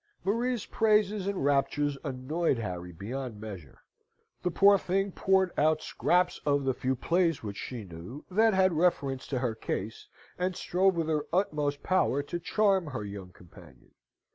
Maria's praises and raptures annoyed Harry beyond measure. The poor thing poured out scraps of the few plays which she knew that had reference to her case, and strove with her utmost power to charm her young companion.